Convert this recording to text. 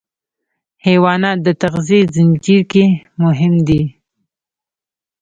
حیوانات د تغذیې زنجیر کې مهم دي.